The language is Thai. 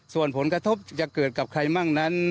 ส่วนผลกระทบจะเกิดกับใครมั่งนั้น